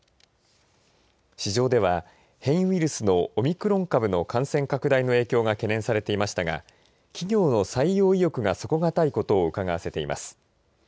市場では変異ウイルスのオミクロン株の感染拡大の影響が懸念されていましたが企業の採用意欲が底堅いことをうかがわせています。